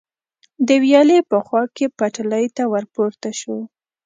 د ویالې په خوا کې پټلۍ ته ور پورته شو.